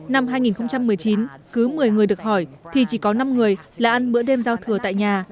năm hai nghìn một mươi chín cứ một mươi người được hỏi thì chỉ có năm người là ăn bữa đêm giao thừa tại nhà